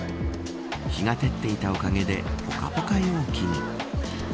日が照っていたおかげでぽかぽか陽気に。